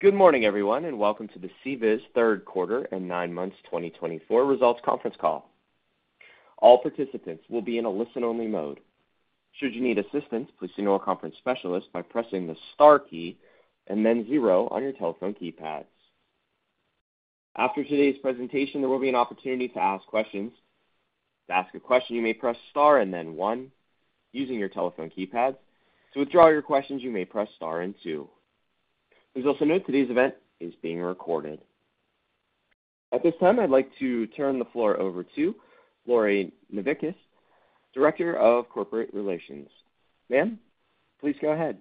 Good morning, everyone, and welcome to the CBIZ third quarter and nine months 2024 results conference call. All participants will be in a listen-only mode. Should you need assistance, please signal a conference specialist by pressing the star key and then zero on your telephone keypads. After today's presentation, there will be an opportunity to ask questions. To ask a question, you may press star and then one using your telephone keypad. To withdraw your questions, you may press star and two. Please also note today's event is being recorded. At this time, I'd like to turn the floor over to Lori Novickis, Director of Corporate Relations. Ma'am, please go ahead.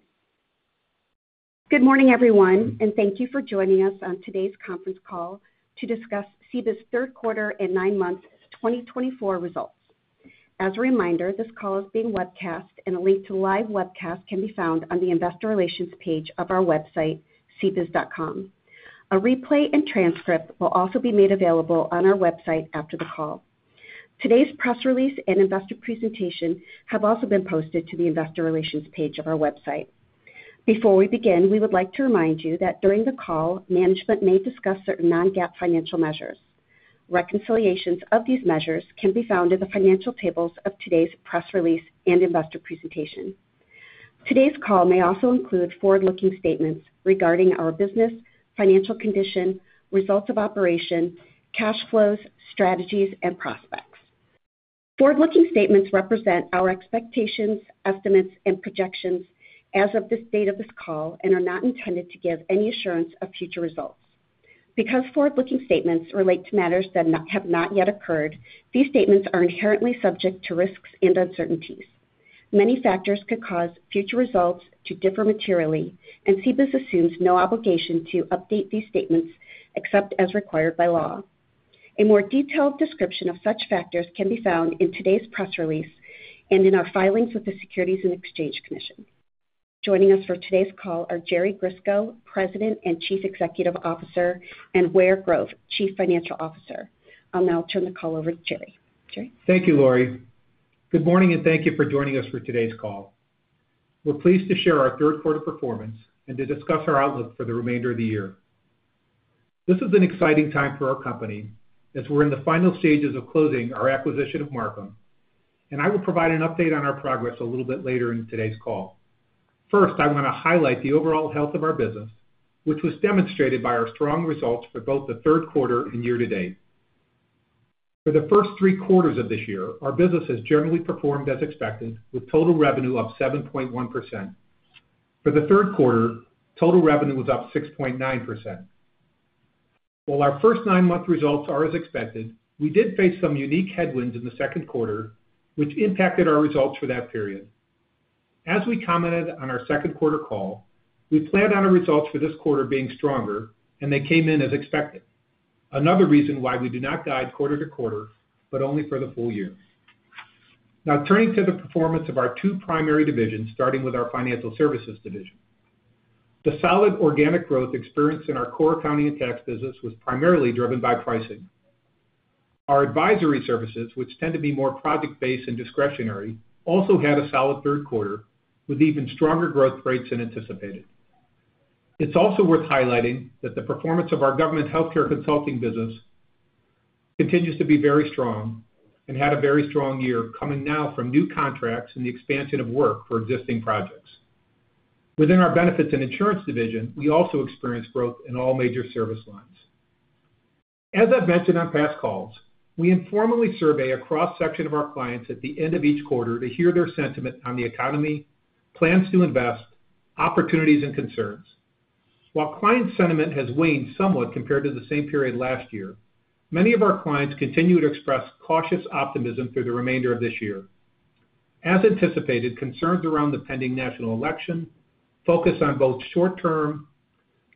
Good morning, everyone, and thank you for joining us on today's conference call to discuss CBIZ third quarter and nine months 2024 results. As a reminder, this call is being webcast, and a link to the live webcast can be found on the Investor Relations page of our website, CBIZ.com. A replay and transcript will also be made available on our website after the call. Today's press release and investor presentation have also been posted to the Investor Relations page of our website. Before we begin, we would like to remind you that during the call, management may discuss certain non-GAAP financial measures. Reconciliations of these measures can be found in the financial tables of today's press release and investor presentation. Today's call may also include forward-looking statements regarding our business, financial condition, results of operation, cash flows, strategies, and prospects. Forward-looking statements represent our expectations, estimates, and projections as of the date of this call and are not intended to give any assurance of future results. Because forward-looking statements relate to matters that have not yet occurred, these statements are inherently subject to risks and uncertainties. Many factors could cause future results to differ materially, and CBIZ assumes no obligation to update these statements except as required by law. A more detailed description of such factors can be found in today's press release and in our filings with the Securities and Exchange Commission. Joining us for today's call are Jerry Grisko, President and Chief Executive Officer, and Ware Grove, Chief Financial Officer. I'll now turn the call over to Jerry. Jerry. Thank you, Lori. Good morning, and thank you for joining us for today's call. We're pleased to share our third-quarter performance and to discuss our outlook for the remainder of the year. This is an exciting time for our company as we're in the final stages of closing our acquisition of Marcum, and I will provide an update on our progress a little bit later in today's call. First, I want to highlight the overall health of our business, which was demonstrated by our strong results for both the third quarter and year to date. For the first three quarters of this year, our business has generally performed as expected, with total revenue up 7.1%. For the third quarter, total revenue was up 6.9%. While our first nine-month results are as expected, we did face some unique headwinds in the second quarter, which impacted our results for that period. As we commented on our second-quarter call, we planned on our results for this quarter being stronger, and they came in as expected, another reason why we do not guide quarter to quarter but only for the full year. Now, turning to the performance of our two primary divisions, starting with our Financial Services Division. The solid organic growth experienced in our core accounting and tax business was primarily driven by pricing. Our advisory services, which tend to be more project-based and discretionary, also had a solid third quarter with even stronger growth rates than anticipated. It's also worth highlighting that the performance of our Government Health Care Consulting business continues to be very strong and had a very strong year, coming now from new contracts and the expansion of work for existing projects. Within our Benefits and Insurance Division, we also experienced growth in all major service lines. As I've mentioned on past calls, we informally survey a cross-section of our clients at the end of each quarter to hear their sentiment on the economy, plans to invest, opportunities, and concerns. While client sentiment has waned somewhat compared to the same period last year, many of our clients continue to express cautious optimism through the remainder of this year. As anticipated, concerns around the pending national election, focus on both short-term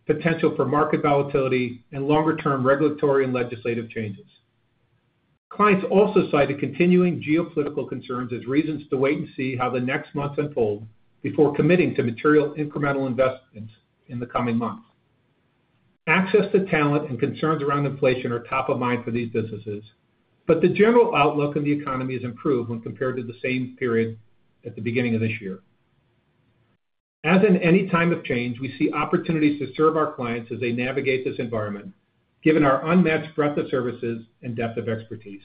potential for market volatility, and longer-term regulatory and legislative changes. Clients also cite continuing geopolitical concerns as reasons to wait and see how the next months unfold before committing to material incremental investments in the coming months. Access to talent and concerns around inflation are top of mind for these businesses, but the general outlook on the economy has improved when compared to the same period at the beginning of this year. As in any time of change, we see opportunities to serve our clients as they navigate this environment, given our unmatched breadth of services and depth of expertise.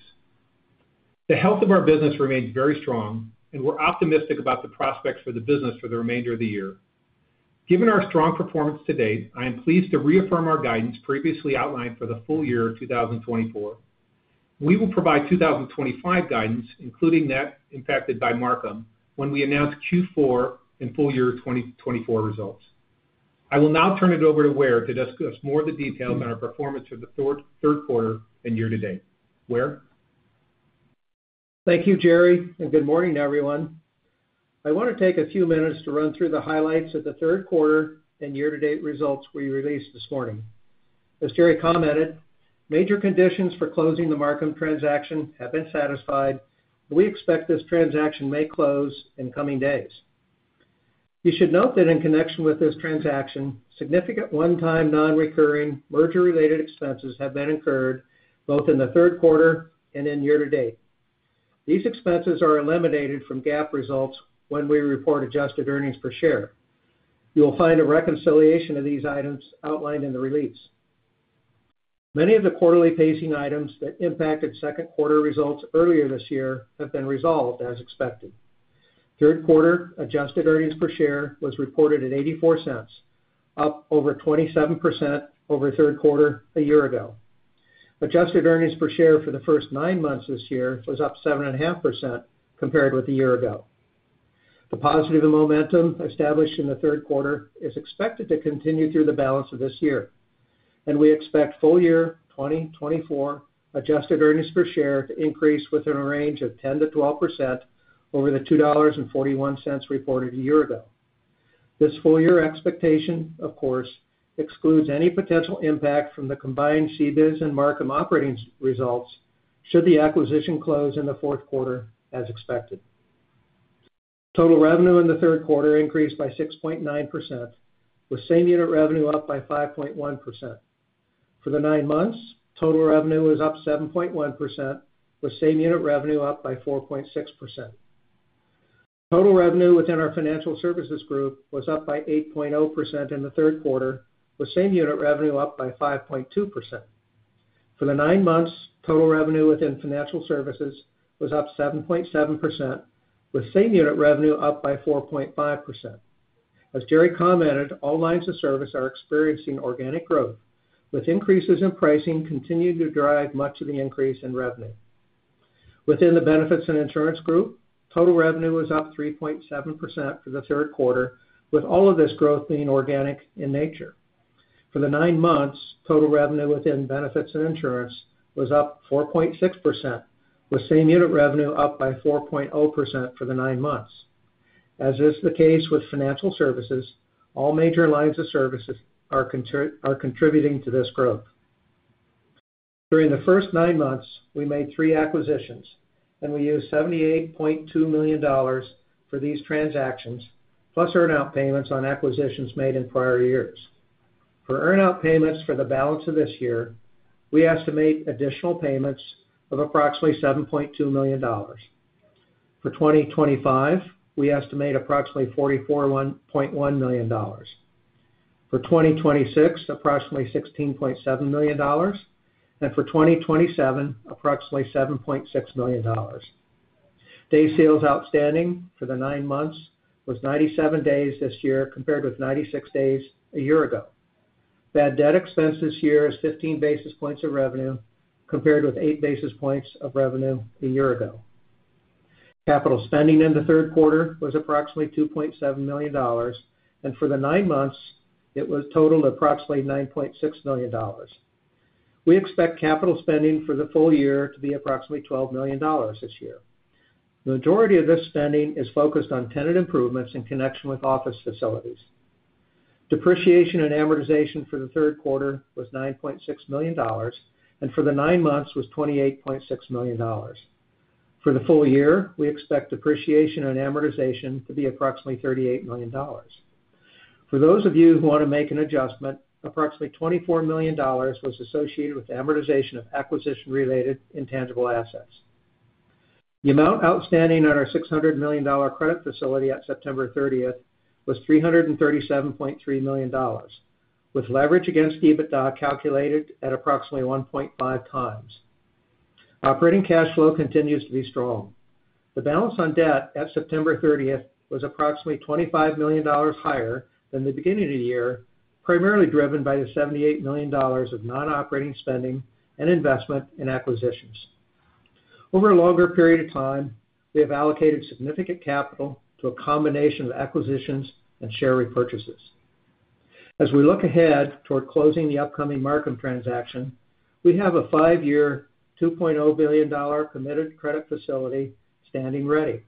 The health of our business remains very strong, and we're optimistic about the prospects for the business for the remainder of the year. Given our strong performance to date, I am pleased to reaffirm our guidance previously outlined for the full year 2024. We will provide 2025 guidance, including that impacted by Marcum, when we announce Q4 and full year 2024 results. I will now turn it over to Ware to discuss more of the details on our performance for the third quarter and year to date. Ware. Thank you, Jerry, and good morning, everyone. I want to take a few minutes to run through the highlights of the third quarter and year-to-date results we released this morning. As Jerry commented, major conditions for closing the Marcum transaction have been satisfied, and we expect this transaction may close in coming days. You should note that in connection with this transaction, significant one-time non-recurring merger-related expenses have been incurred both in the third quarter and in year to date. These expenses are eliminated from GAAP results when we report adjusted earnings per share. You will find a reconciliation of these items outlined in the release. Many of the quarterly pacing items that impacted second-quarter results earlier this year have been resolved, as expected. Third quarter adjusted earnings per share was reported at $0.84, up over 27% over third quarter a year ago. Adjusted earnings per share for the first nine months this year was up 7.5% compared with a year ago. The positive momentum established in the third quarter is expected to continue through the balance of this year, and we expect full year 2024 adjusted earnings per share to increase within a range of 10%-12% over the $2.41 reported a year ago. This full-year expectation, of course, excludes any potential impact from the combined CBIZ and Marcum operating results should the acquisition close in the fourth quarter, as expected. Total revenue in the third quarter increased by 6.9%, with same-unit revenue up by 5.1%. For the nine months, total revenue was up 7.1%, with same-unit revenue up by 4.6%. Total revenue within our Financial Services Group was up by 8.0% in the third quarter, with same-unit revenue up by 5.2%. For the nine months, total revenue within Financial Services was up 7.7%, with same-unit revenue up by 4.5%. As Jerry commented, all lines of service are experiencing organic growth, with increases in pricing continuing to drive much of the increase in revenue. Within the Benefits and Insurance Group, total revenue was up 3.7% for the third quarter, with all of this growth being organic in nature. For the nine months, total revenue within Benefits and Insurance was up 4.6%, with same-unit revenue up by 4.0% for the nine months. As is the case with Financial Services, all major lines of service are contributing to this growth. During the first nine months, we made three acquisitions, and we used $78.2 million for these transactions, plus earn-out payments on acquisitions made in prior years. For earn-out payments for the balance of this year, we estimate additional payments of approximately $7.2 million. For 2025, we estimate approximately $44.1 million. For 2026, approximately $16.7 million, and for 2027, approximately $7.6 million. Days Sales Outstanding for the nine months was 97 days this year compared with 96 days a year ago. Bad debt expense this year is 15 basis points of revenue compared with 8 basis points of revenue a year ago. Capital spending in the third quarter was approximately $2.7 million, and for the nine months, it totaled approximately $9.6 million. We expect capital spending for the full year to be approximately $12 million this year. The majority of this spending is focused on Tenant Improvements in connection with office facilities. Depreciation and amortization for the third quarter was $9.6 million, and for the nine months was $28.6 million. For the full year, we expect depreciation and amortization to be approximately $38 million. For those of you who want to make an adjustment, approximately $24 million was associated with amortization of acquisition-related intangible assets. The amount outstanding on our $600 million credit facility at September 30th was $337.3 million, with leverage against EBITDA calculated at approximately 1.5x. Operating cash flow continues to be strong. The balance on debt at September 30th was approximately $25 million higher than the beginning of the year, primarily driven by the $78 million of non-operating spending and investment in acquisitions. Over a longer period of time, we have allocated significant capital to a combination of acquisitions and share repurchases. As we look ahead toward closing the upcoming Marcum transaction, we have a five-year, $2.0 billion committed credit facility standing ready.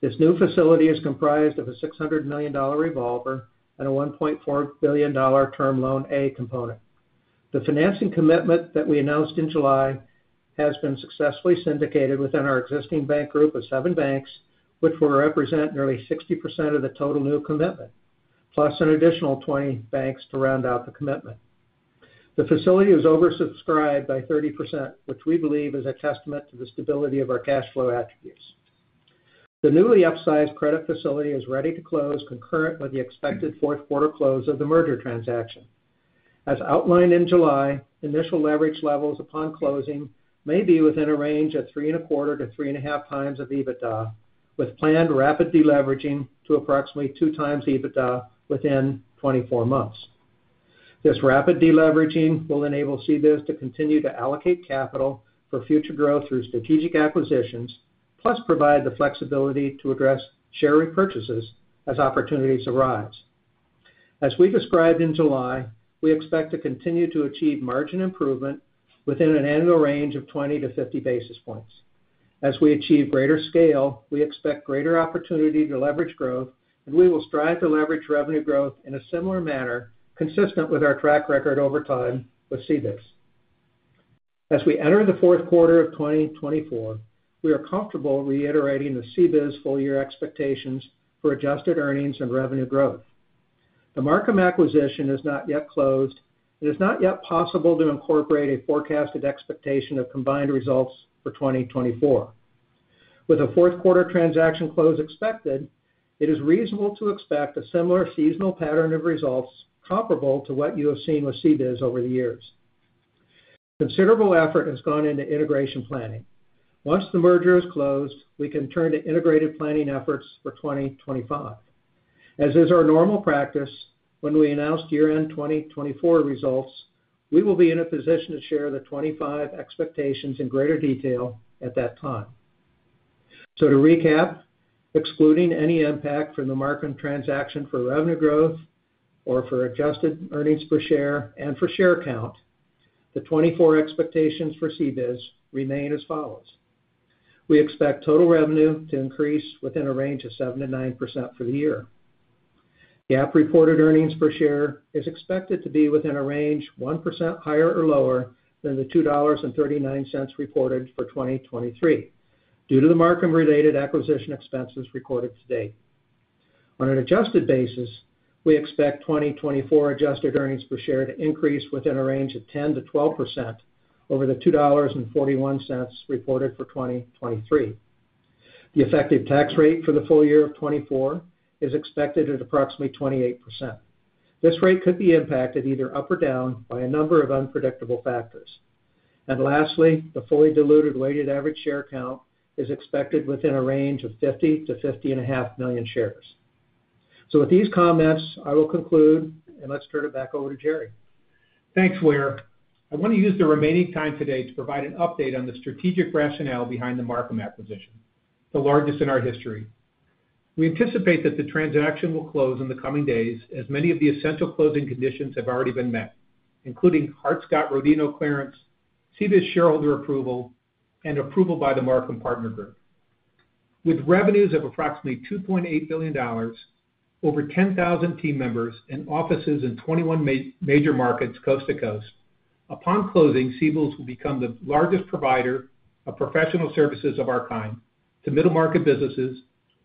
This new facility is comprised of a $600 million revolver and a $1.4 billion term loan A component. The financing commitment that we announced in July has been successfully syndicated within our existing bank group of seven banks, which will represent nearly 60% of the total new commitment, plus an additional 20 banks to round out the commitment. The facility is oversubscribed by 30%, which we believe is a testament to the stability of our cash flow attributes. The newly upsized credit facility is ready to close, concurrent with the expected fourth-quarter close of the merger transaction. As outlined in July, initial leverage levels upon closing may be within a range of 3.25x-3.5x of EBITDA, with planned rapid deleveraging to approximately 2x EBITDA within 24 months. This rapid deleveraging will enable CBIZ to continue to allocate capital for future growth through strategic acquisitions, plus provide the flexibility to address share repurchases as opportunities arise. As we described in July, we expect to continue to achieve margin improvement within an annual range of 20-50 basis points. As we achieve greater scale, we expect greater opportunity to leverage growth, and we will strive to leverage revenue growth in a similar manner, consistent with our track record over time with CBIZ. As we enter the fourth quarter of 2024, we are comfortable reiterating the CBIZ full-year expectations for adjusted earnings and revenue growth. The Marcum acquisition is not yet closed, and it's not yet possible to incorporate a forecasted expectation of combined results for 2024. With a fourth-quarter transaction close expected, it is reasonable to expect a similar seasonal pattern of results comparable to what you have seen with CBIZ over the years. Considerable effort has gone into integration planning. Once the merger is closed, we can turn to integrated planning efforts for 2025. As is our normal practice, when we announce year-end 2024 results, we will be in a position to share the 2025 expectations in greater detail at that time. To recap, excluding any impact from the Marcum transaction for revenue growth or for adjusted earnings per share and for share count, the 2024 expectations for CBIZ remain as follows. We expect total revenue to increase within a range of 7%-9% for the year. GAAP reported earnings per share is expected to be within a range 1% higher or lower than the $2.39 reported for 2023, due to the Marcum-related acquisition expenses recorded to date. On an adjusted basis, we expect 2024 adjusted earnings per share to increase within a range of 10%-12% over the $2.41 reported for 2023. The effective tax rate for the full year of 2024 is expected at approximately 28%. This rate could be impacted either up or down by a number of unpredictable factors. And lastly, the fully diluted weighted average share count is expected within a range of 50 million-50.5 million shares. So, with these comments, I will conclude, and let's turn it back over to Jerry. Thanks, Ware. I want to use the remaining time today to provide an update on the strategic rationale behind the Marcum acquisition, the largest in our history. We anticipate that the transaction will close in the coming days as many of the essential closing conditions have already been met, including Hart-Scott-Rodino clearance, CBIZ shareholder approval, and approval by the Marcum Partner Group. With revenues of approximately $2.8 billion, over 10,000 team members and offices in 21 major markets coast to coast, upon closing, CBIZ will become the largest provider of professional services of our kind to middle-market businesses,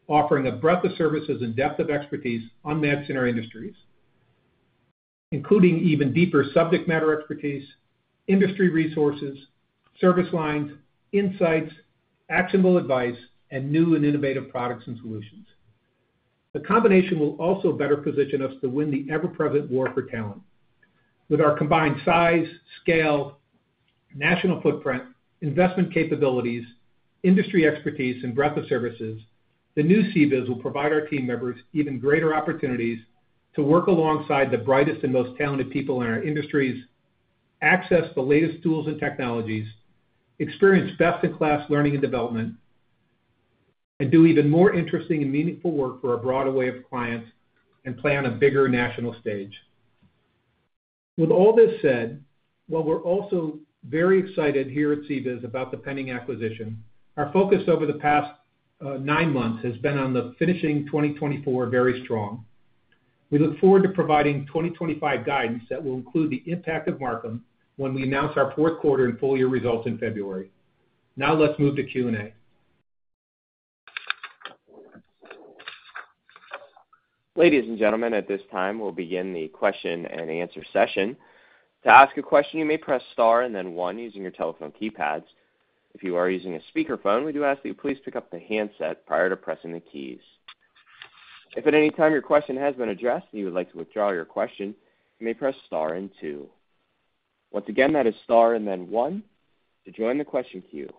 offering a breadth of services and depth of expertise unmatched in our industries, including even deeper subject matter expertise, industry resources, service lines, insights, actionable advice, and new and innovative products and solutions. The combination will also better position us to win the ever-present war for talent. With our combined size, scale, national footprint, investment capabilities, industry expertise, and breadth of services, the new CBIZ will provide our team members even greater opportunities to work alongside the brightest and most talented people in our industries, access the latest tools and technologies, experience best-in-class learning and development, and do even more interesting and meaningful work for a broader wave of clients and play on a bigger national stage. With all this said, while we're also very excited here at CBIZ about the pending acquisition, our focus over the past nine months has been on finishing 2024 very strong. We look forward to providing 2025 guidance that will include the impact of Marcum when we announce our fourth quarter and full-year results in February. Now, let's move to Q&A. Ladies and gentlemen, at this time, we'll begin the question and answer session. To ask a question, you may press star and then one using your telephone keypads. If you are using a speakerphone, we do ask that you please pick up the handset prior to pressing the keys. If at any time your question has been addressed and you would like to withdraw your question, you may press star and two. Once again, that is star and then one to join the question queue.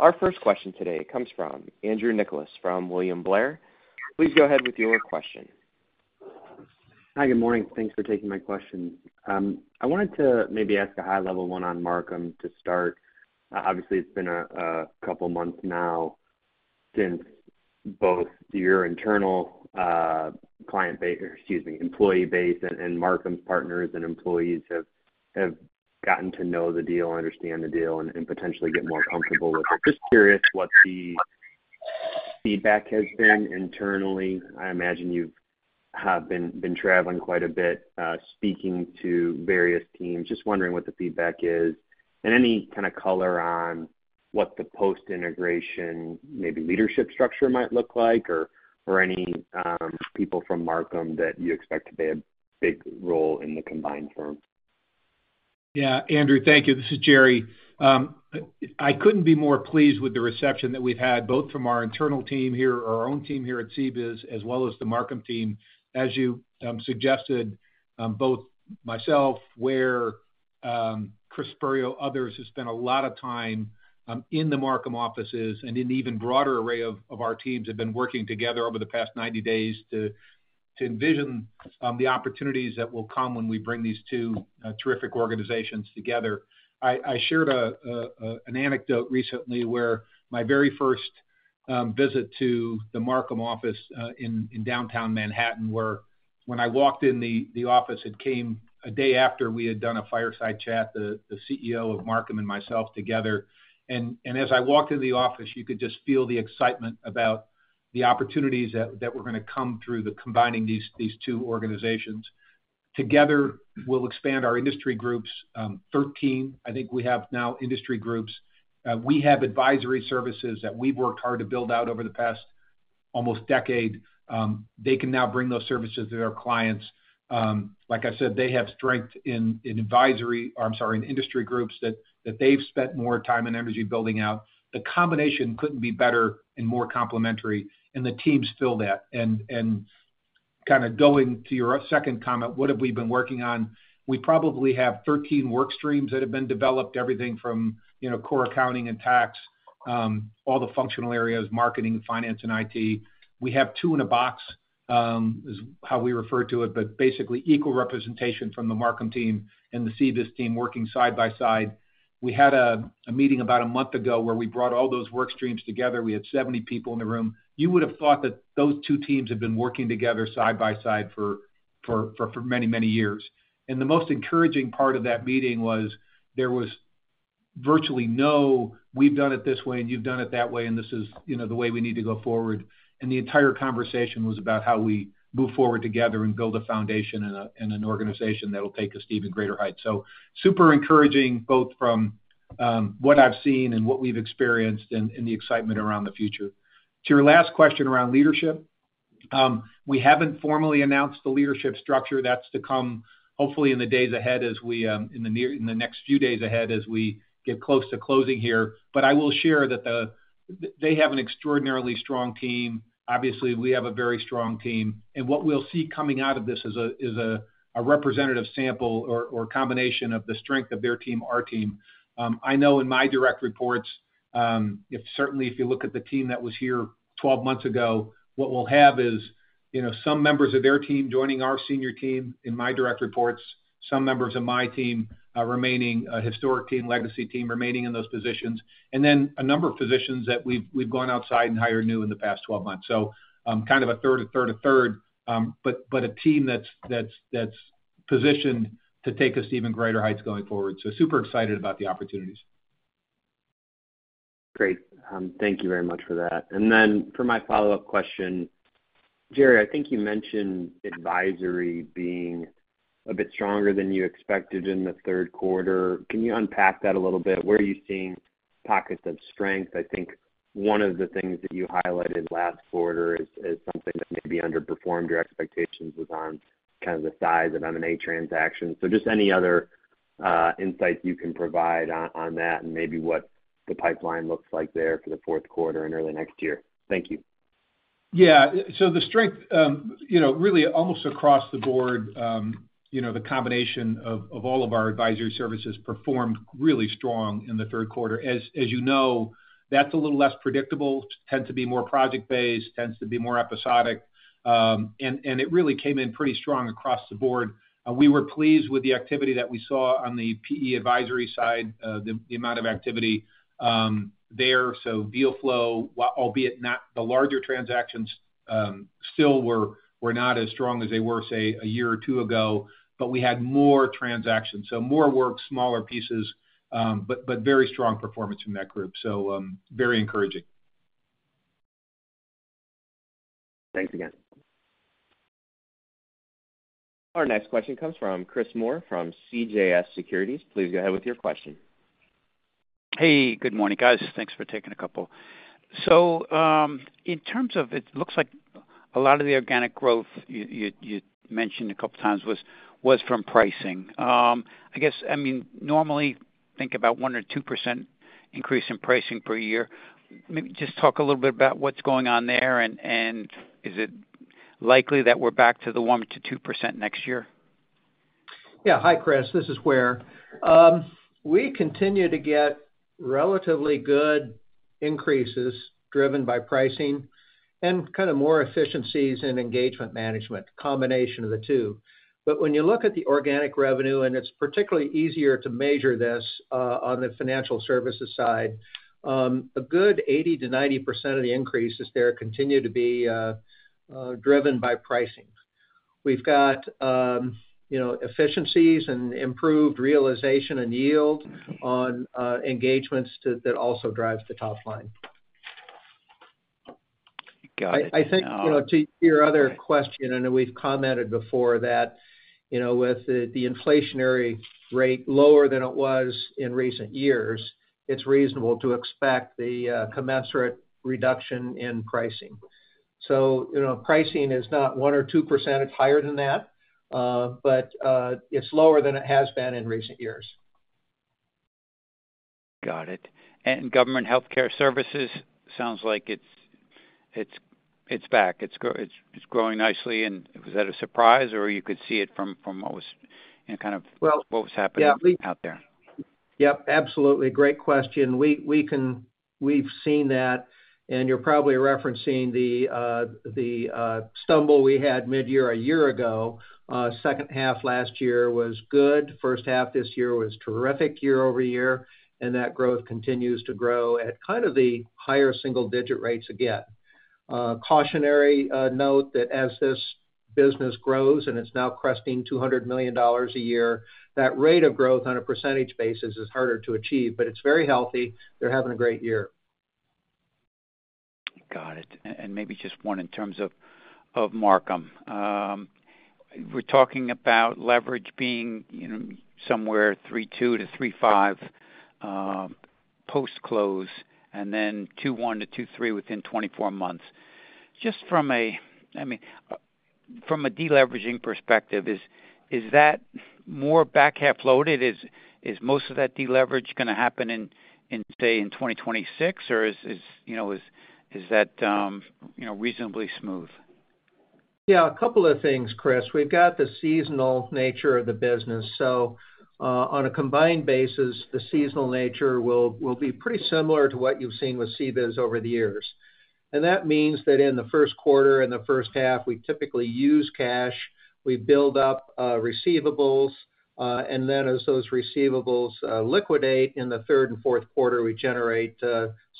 Our first question today comes from Andrew Nicholas from William Blair. Please go ahead with your question. Hi, good morning. Thanks for taking my question. I wanted to maybe ask a high-level one on Marcum to start. Obviously, it's been a couple of months now since both your internal client base, excuse me, employee base, and Marcum's partners and employees have gotten to know the deal, understand the deal, and potentially get more comfortable with it. Just curious what the feedback has been internally. I imagine you've been traveling quite a bit speaking to various teams. Just wondering what the feedback is and any kind of color on what the post-integration maybe leadership structure might look like or any people from Marcum that you expect to play a big role in the combined firm. Yeah, Andrew, thank you. This is Jerry. I couldn't be more pleased with the reception that we've had, both from our internal team here, our own team here at CBIZ, as well as the Marcum team. As you suggested, both myself, Ware, Chris Spurio, others who spent a lot of time in the Marcum offices and in the even broader array of our teams have been working together over the past 90 days to envision the opportunities that will come when we bring these two terrific organizations together. I shared an anecdote recently where my very first visit to the Marcum office in downtown Manhattan where when I walked in the office, it came a day after we had done a fireside chat, the CEO of Marcum and myself together. As I walked in the office, you could just feel the excitement about the opportunities that were going to come through combining these two organizations. Together, we'll expand our industry groups. 13, I think we have now industry groups. We have advisory services that we've worked hard to build out over the past almost decade. They can now bring those services to their clients. Like I said, they have strength in advisory, I'm sorry, in industry groups that they've spent more time and energy building out. The combination couldn't be better and more complementary, and the teams fill that. Kind of going to your second comment, what have we been working on? We probably have 13 work streams that have been developed, everything from core accounting and tax, all the functional areas, marketing, finance, and IT. We have two-in-a-box is how we refer to it, but basically equal representation from the Marcum team and the CBIZ team working side by side. We had a meeting about a month ago where we brought all those work streams together. We had 70 people in the room. You would have thought that those two teams had been working together side by side for many, many years, and the most encouraging part of that meeting was there was virtually no "We've done it this way and you've done it that way, and this is the way we need to go forward." And the entire conversation was about how we move forward together and build a foundation and an organization that'll take us to even greater heights, so super encouraging both from what I've seen and what we've experienced and the excitement around the future. To your last question around leadership, we haven't formally announced the leadership structure. That's to come hopefully in the next few days as we get close to closing here, but I will share that they have an extraordinarily strong team. Obviously, we have a very strong team, and what we'll see coming out of this is a representative sample or a combination of the strength of their team, our team. I know in my direct reports, certainly if you look at the team that was here 12 months ago, what we'll have is some members of their team joining our senior team in my direct reports, some members of my team remaining, a historic team, legacy team remaining in those positions, and then a number of positions that we've gone outside and hired new in the past 12 months. So kind of a third, a third, a third, but a team that's positioned to take us to even greater heights going forward. So super excited about the opportunities. Great. Thank you very much for that. And then for my follow-up question, Jerry, I think you mentioned advisory being a bit stronger than you expected in the third quarter. Can you unpack that a little bit? Where are you seeing pockets of strength? I think one of the things that you highlighted last quarter is something that maybe underperformed your expectations was on kind of the size of M&A transactions. So just any other insights you can provide on that and maybe what the pipeline looks like there for the fourth quarter and early next year. Thank you. Yeah. So the strength, really almost across the board, the combination of all of our advisory services performed really strong in the third quarter. As you know, that's a little less predictable. Tends to be more project-based, tends to be more episodic. And it really came in pretty strong across the board. We were pleased with the activity that we saw on the PE advisory side, the amount of activity there. So deal flow, albeit not the larger transactions, still were not as strong as they were, say, a year or two ago, but we had more transactions. So more work, smaller pieces, but very strong performance from that group. So very encouraging. Thanks again. Our next question comes from Chris Moore from CJS Securities. Please go ahead with your question. Hey, good morning, guys. Thanks for taking a couple. So in terms of it looks like a lot of the organic growth you mentioned a couple of times was from pricing. I guess, I mean, normally think about 1% or 2% increase in pricing per year. Maybe just talk a little bit about what's going on there and is it likely that we're back to the 1%-2% next year? Yeah. Hi, Chris. This is Ware. We continue to get relatively good increases driven by pricing and kind of more efficiencies in engagement management, a combination of the two. But when you look at the organic revenue, and it's particularly easier to measure this on the financial services side, a good 80%-90% of the increases there continue to be driven by pricing. We've got efficiencies and improved realization and yield on engagements that also drive the top line. Got it. I think to your other question, and we've commented before that with the inflationary rate lower than it was in recent years, it's reasonable to expect the commensurate reduction in pricing. So pricing is not 1% or 2%, it's higher than that, but it's lower than it has been in recent years. Got it. And government healthcare services, sounds like it's back. It's growing nicely. And was that a surprise or you could see it from kind of what was happening out there? Yep. Absolutely. Great question. We've seen that, and you're probably referencing the stumble we had mid-year a year ago. Second half last year was good. First half this year was terrific year-over-year, and that growth continues to grow at kind of the higher single-digit rates again. Cautionary note that as this business grows and it's now cresting $200 million a year, that rate of growth on a percentage basis is harder to achieve, but it's very healthy. They're having a great year. Got it. And maybe just one in terms of Marcum. We're talking about leverage being somewhere 3.2-3.5 post-close and then 2.1-2.3 within 24 months. Just from a, I mean, from a deleveraging perspective, is that more back half loaded? Is most of that deleverage going to happen in, say, in 2026, or is that reasonably smooth? Yeah, a couple of things, Chris. We've got the seasonal nature of the business. So on a combined basis, the seasonal nature will be pretty similar to what you've seen with CBIZ over the years. And that means that in the first quarter and the first half, we typically use cash. We build up receivables. And then as those receivables liquidate in the third and fourth quarter, we generate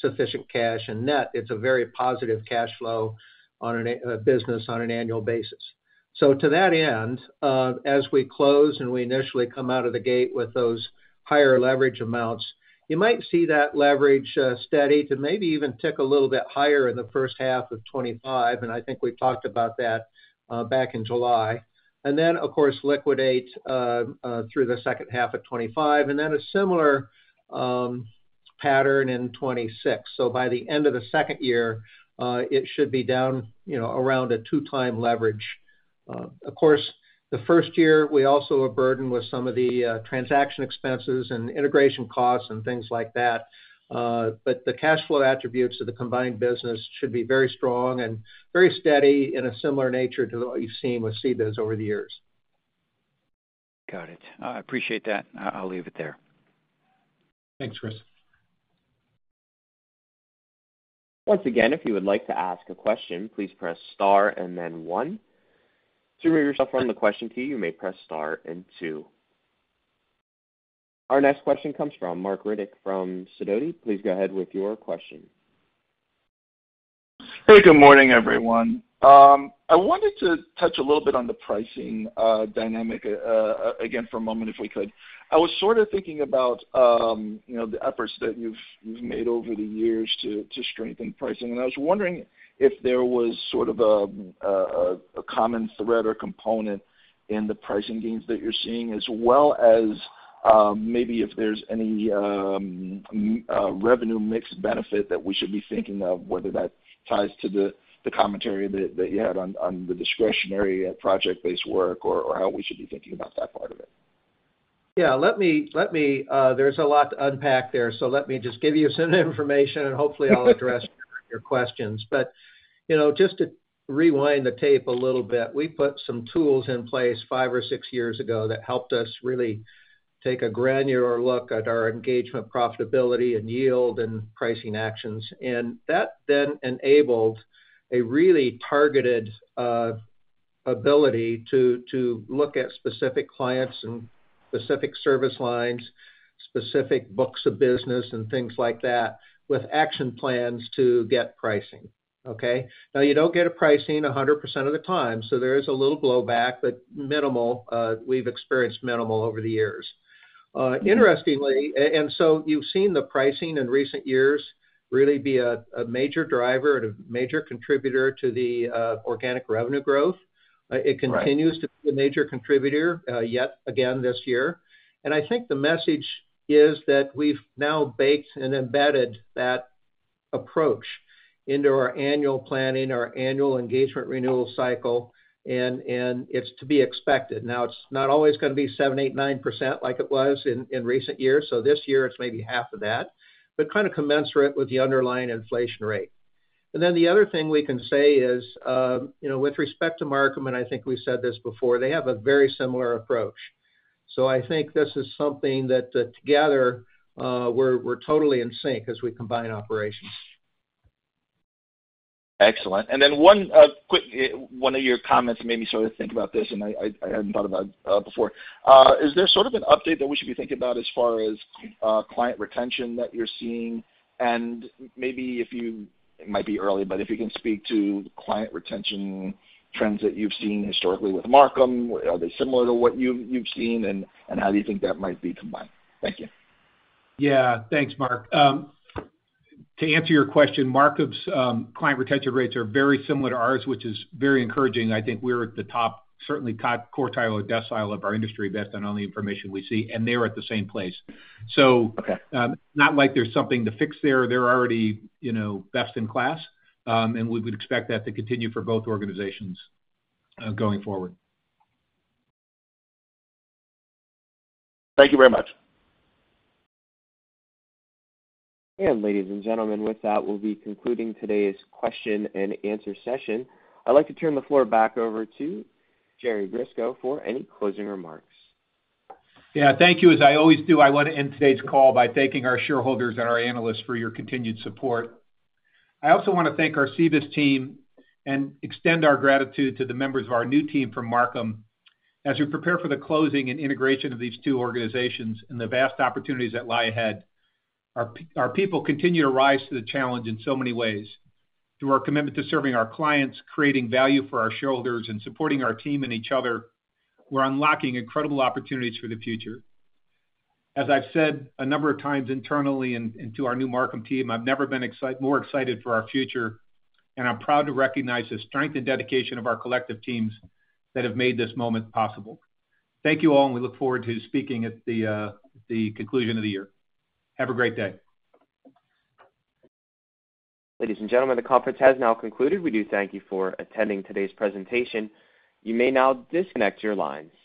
sufficient cash and net. It's a very positive cash flow on a business on an annual basis. So to that end, as we close and we initially come out of the gate with those higher leverage amounts, you might see that leverage steady to maybe even tick a little bit higher in the first half of 2025. And I think we talked about that back in July. And then, of course, liquidate through the second half of 2025 and then a similar pattern in 2026. So by the end of the second year, it should be down around a two-time leverage. Of course, the first year, we also are burdened with some of the transaction expenses and integration costs and things like that. But the cash flow attributes of the combined business should be very strong and very steady in a similar nature to what you've seen with CBIZ over the years. Got it. I appreciate that. I'll leave it there. Thanks, Chris. Once again, if you would like to ask a question, please press star and then one. To remove yourself from the question queue, you may press star and two. Our next question comes from Marc Riddick from Sidoti. Please go ahead with your question. Hey, good morning, everyone. I wanted to touch a little bit on the pricing dynamic again for a moment if we could. I was sort of thinking about the efforts that you've made over the years to strengthen pricing, and I was wondering if there was sort of a common thread or component in the pricing gains that you're seeing, as well as maybe if there's any revenue mix benefit that we should be thinking of, whether that ties to the commentary that you had on the discretionary project-based work or how we should be thinking about that part of it. Yeah. There's a lot to unpack there. So let me just give you some information, and hopefully, I'll address your questions. But just to rewind the tape a little bit, we put some tools in place five or six years ago that helped us really take a granular look at our engagement, profitability, and yield and pricing actions. And that then enabled a really targeted ability to look at specific clients and specific service lines, specific books of business, and things like that with action plans to get pricing. Okay? Now, you don't get a pricing 100% of the time. So there is a little blowback, but minimal. We've experienced minimal over the years. Interestingly, and so you've seen the pricing in recent years really be a major driver and a major contributor to the organic revenue growth. It continues to be a major contributor yet again this year. And I think the message is that we've now baked and embedded that approach into our annual planning, our annual engagement renewal cycle, and it's to be expected. Now, it's not always going to be 7%, 8%, 9% like it was in recent years. So this year, it's maybe half of that, but kind of commensurate with the underlying inflation rate. And then the other thing we can say is with respect to Marcum, and I think we said this before, they have a very similar approach. So I think this is something that together, we're totally in sync as we combine operations. Excellent. And then one of your comments made me sort of think about this, and I hadn't thought about it before. Is there sort of an update that we should be thinking about as far as client retention that you're seeing? And maybe if you, it might be early, but if you can speak to client retention trends that you've seen historically with Marcum, are they similar to what you've seen, and how do you think that might be combined? Thank you. Yeah. Thanks, Marc. To answer your question, Marcum's client retention rates are very similar to ours, which is very encouraging. I think we're at the top, certainly top quartile or decile of our industry best on all the information we see, and they're at the same place. So it's not like there's something to fix there. They're already best in class, and we would expect that to continue for both organizations going forward. Thank you very much. Ladies and gentlemen, with that, we'll be concluding today's question and answer session. I'd like to turn the floor back over to Jerry Grisko for any closing remarks. Yeah. Thank you. As I always do, I want to end today's call by thanking our shareholders and our analysts for your continued support. I also want to thank our CBIZ team and extend our gratitude to the members of our new team from Marcum. As we prepare for the closing and integration of these two organizations and the vast opportunities that lie ahead, our people continue to rise to the challenge in so many ways. Through our commitment to serving our clients, creating value for our shareholders, and supporting our team and each other, we're unlocking incredible opportunities for the future. As I've said a number of times internally and to our new Marcum team, I've never been more excited for our future, and I'm proud to recognize the strength and dedication of our collective teams that have made this moment possible. Thank you all, and we look forward to speaking at the conclusion of the year. Have a great day. Ladies and gentlemen, the conference has now concluded. We do thank you for attending today's presentation. You may now disconnect your lines.